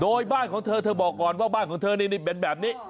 โดยบ้านของเธอเธอบอกก่อนว่าบ้านของเธอนี่เป็นแบบนี้